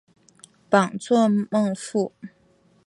榜作孟富。